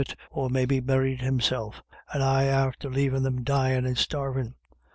it, or maybe buried himself, and I after lavin' them dyin' and starvin'.